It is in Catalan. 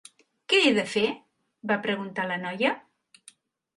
Què he de fer?, va preguntar la noia.